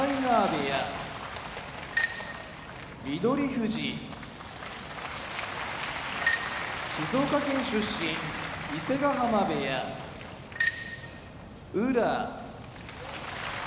翠富士静岡県出身伊勢ヶ濱部屋宇良